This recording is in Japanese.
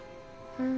うん。